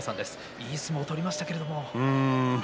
いい相撲を取りました。